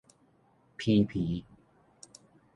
皮皮